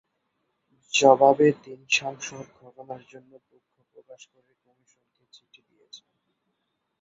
জবাবে তিন সাংসদ ঘটনার জন্য দুঃখ প্রকাশ করে কমিশনকে চিঠি দিয়েছেন।